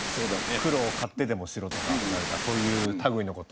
苦労を買ってでもしろとか何かそういう類いのこと。